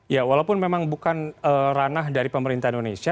ya walaupun memang bukan ranah dari pemerintah indonesia